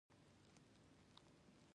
سبا به ښه وي